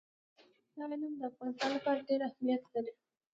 دا علم د افغانستان لپاره ډېر اهمیت لري.